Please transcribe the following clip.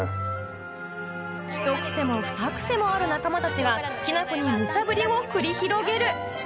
ひと癖もふた癖もある仲間たちが雛子にムチャブリを繰り広げる！